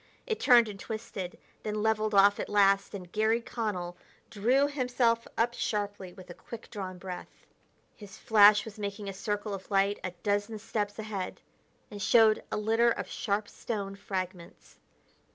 It turned and twisted, then leveled off at last, and Garry Connell drew himself up sharply with a quick drawn breath. His flash was making a circle of light a dozen steps ahead, and showed a litter of sharp stone fragments.